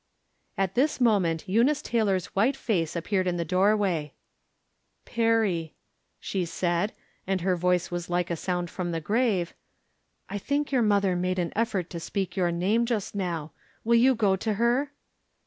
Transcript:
At this moment Eunice Taylor's white face ap peared in the doorway. " Perry," she, said, and her voice was like a sound from the grave, " I think your mother made en effort to speak your name just now. Will you go to her